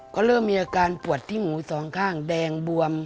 ก็เริ่มมีอาการปวดที่หมูสองข้างแดงบวม